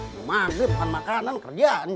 mau mandi makan makanan kerjaan